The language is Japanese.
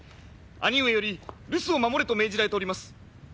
兄上より留守を守れと命じられております。